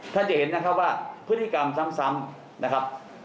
จะเห็นนะครับว่าพฤติกรรมซ้ำนะครับ